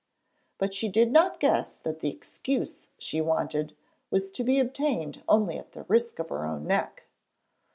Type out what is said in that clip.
But she did not guess that the 'excuse' she wanted was to be obtained only at the risk of her own neck.